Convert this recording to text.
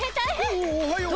おおはよう。